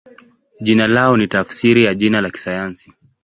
Jina lao ni tafsiri ya jina la kisayansi.